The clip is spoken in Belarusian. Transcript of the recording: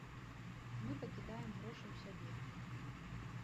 Мы пакідаем грошы ў сябе.